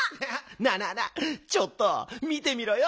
なあなあなあちょっとみてみろよ。